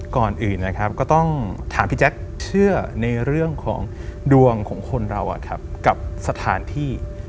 ก่อนอื่นนะครับก็ต้องถามพี่แจ๊คเชื่อในเรื่องของดวงของคนเรากับสถานที่